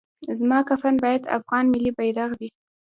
زما کفن باید افغان ملي بیرغ وي